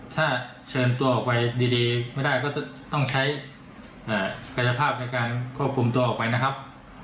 ถ้าเชิญตัวออกไปดีไม่ได้ก็ต้องใช้กายภาพในการควบคุมตัวออกไปนะครับ